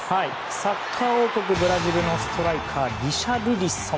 サッカー王国ブラジルのストライカー、リシャルリソン。